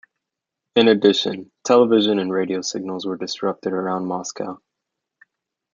In addition, television and radio signals were disrupted around Moscow.